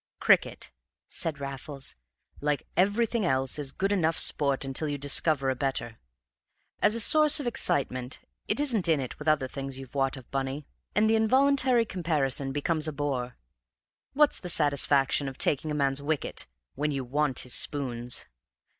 "Cricket," said Raffles, "like everything else, is good enough sport until you discover a better. As a source of excitement it isn't in it with other things you wot of, Bunny, and the involuntary comparison becomes a bore. What's the satisfaction of taking a man's wicket when you want his spoons?